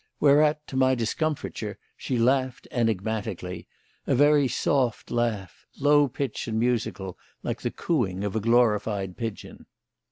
Whereat, to my discomfiture, she laughed enigmatically; a very soft laugh, low pitched and musical, like the cooing of a glorified pigeon.